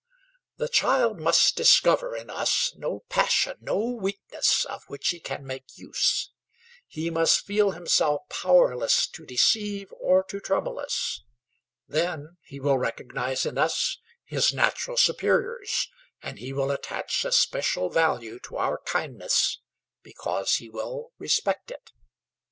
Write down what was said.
The child must discover in us no passion, no weakness of which he can make use; he must feel himself powerless to deceive or to trouble us; then he will recognize in us his natural superiors, and he will attach a special value to our kindness, because he will respect it.